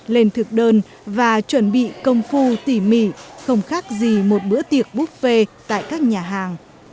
lên thực đơn và chuẩn bị công phu tỉ mỉ không khác gì một bữa tiệc buffet tại các nhà hàng